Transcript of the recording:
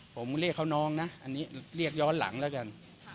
ผมเรียกเขาน้องนะอันนี้เรียกย้อนหลังแล้วกัน